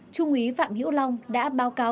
chú nguy phạm hữu long đã báo cáo